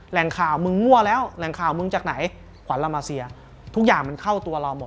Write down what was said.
แหล่งข่าวมึงงั่วแล้วแหล่งข่าวมึงจากไหนขวัญเรามาเซียทุกอย่างมันเข้าตัวเราหมด